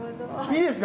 いいですか？